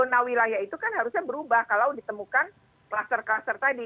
nah zona wilayah itu kan harusnya berubah kalau ditemukan klaster klaster tadi